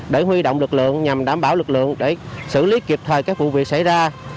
để huy động lực lượng nhằm đảm bảo lực lượng để xử lý kịp thời các vụ việc xảy ra